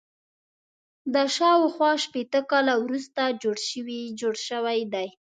دا شاوخوا شپېته کاله وروسته جوړ شوی دی.